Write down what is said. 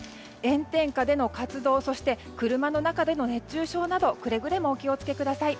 炎天下での活動そして、車の中での熱中症などくれぐれもお気を付けください。